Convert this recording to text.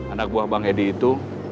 anak buah bang edi itu